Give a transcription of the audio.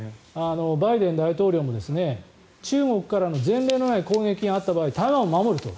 バイデン大統領も、中国からの前例のない攻撃があった場合台湾を守ると。